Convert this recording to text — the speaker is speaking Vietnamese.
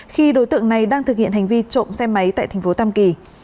khi đối tượng này đang thực hiện hành vi trộm xe máy tại thành phố tam kỳ